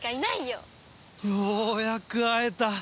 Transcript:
ようやく会えた